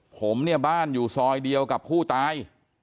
ผมเนี่ยบ้านอยู่ซอยเดียวกับผู้ตาย